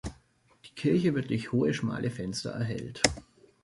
Die Kirche wird durch hohe, schmale Fenster erhellt.